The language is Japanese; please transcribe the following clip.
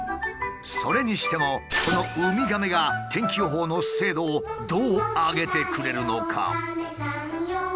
それにしてもこのウミガメが天気予報の精度をどう上げてくれるのか？